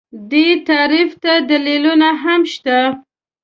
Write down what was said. دې تعریف ته دلیلونه هم شته